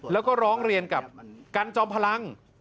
แล้วก็ร้องเรียนกับกันจอมพลัง